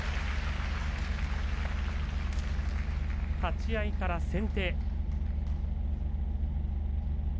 立ち合いから先手。